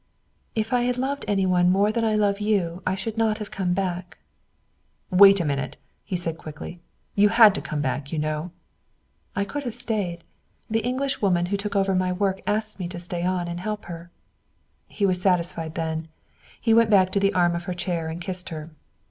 "If I had loved any one more than I loved you I should not have come back." "Wait a minute!" he said quickly. "You had to come back, you know." "I could have stayed. The Englishwoman who took over my work asked me to stay on and help her." He was satisfied then. He went back to the arm of her chair and kissed her.